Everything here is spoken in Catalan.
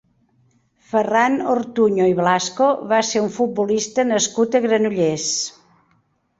Ferran Ortuño i Blasco va ser un futbolista nascut a Granollers.